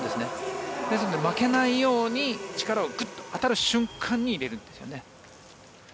なので、負けないように当たる瞬間に入れるんですよね。